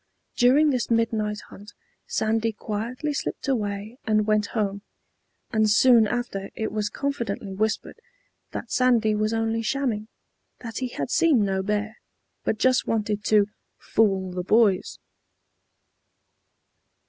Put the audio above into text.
During this midnight hunt Sandy quietly slipped away and went home; and soon after it was confidently whispered, that Sandy was only shamming, that he had seen no bear, but just wanted to "fool the boys."